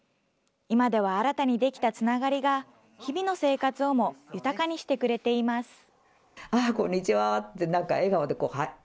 今では新たにできたつながりが、日々の生活をも豊かにしてくれています。